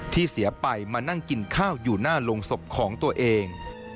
เสียไปมานั่งกินข้าวอยู่หน้าโรงศพของตัวเอง